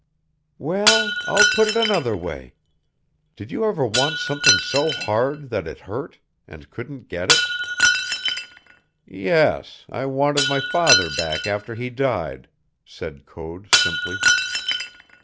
"Well, I'll put it another way. Did you ever want something so hard that it hurt, and couldn't get it?" "Yes, I wanted my father back after he died," said Code simply.